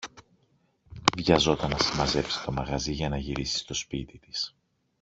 βιαζόταν να συμμαζέψει το μαγαζί για να γυρίσει στο σπίτι της